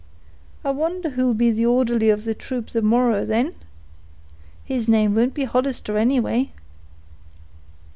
I wonder who'll be the orderly of the troop the morrow, then?—his name won't be Hollister, anyway."